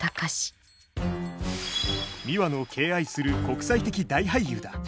ミワの敬愛する国際的大俳優だ。